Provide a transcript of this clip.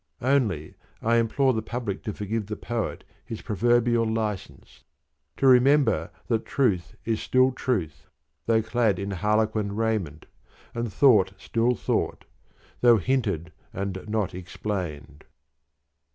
Only I implore the public to forgive the Poet his proverbial licence, to remember that truth is still truth, though clad in harlequin raiment, and thought still thought, though hinted and not explained.